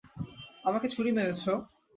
আমাকে ছুরি মেরেছো?